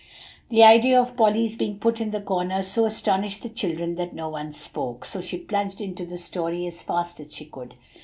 The idea of Polly's being put in the corner so astonished the children that no one spoke, so she plunged into the story as fast as she could.